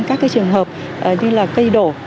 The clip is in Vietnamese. các cái trường hợp như là cây đổ